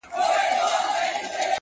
چي كله مخ ښكاره كړي ماته ځېرسي اې ه!